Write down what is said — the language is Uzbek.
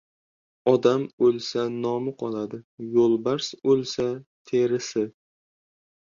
• Odam o‘lsa nomi qoladi, yo‘lbars o‘lsa — terisi.